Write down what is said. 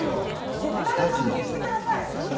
絶対に確認してください！